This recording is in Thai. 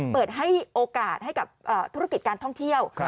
เปิดให้โอกาสให้กับธุรกิจการท่องเที่ยว